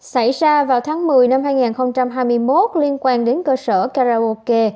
xảy ra vào tháng một mươi năm hai nghìn hai mươi một liên quan đến cơ sở karaoke